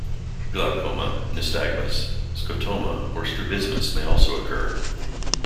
Glaucoma, nystagmus, scotoma, or strabismus may also occur.